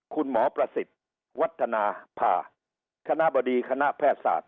คุณหมอประสิทธิ์วัฒนภาคณะบดีคณะแพทยศาสต